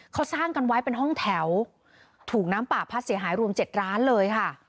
เขาสร้างกันไว้เป็นห้องแถวถูกน้ำป่าพัดเสียหายรวม๗ร้านเลยค่ะ